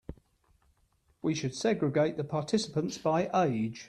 We should segregate the participants by age.